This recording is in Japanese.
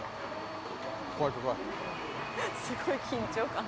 すごい緊張感。